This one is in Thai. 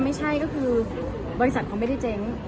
ไม่เมคครึ่งทาง